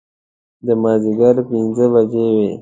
د مازدیګر پنځه بجې وې.